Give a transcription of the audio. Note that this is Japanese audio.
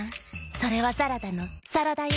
それはサラダのさらだよ」。